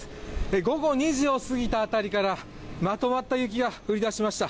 午後２時を過ぎた辺りからまとまった雪が降り出しました。